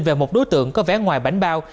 về một đối tượng có vé ngoài bánh bao